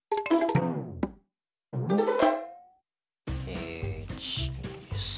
え１２３。